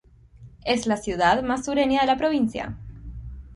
Es la ciudad más sureña de la provincia.